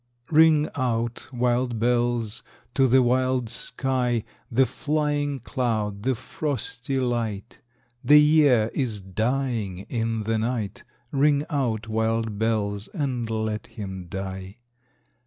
Ring out, wild bells, to the wild sky, The flying cloud, the frosty light: The year is dying in the night; Ring out, wild bells, and let him die.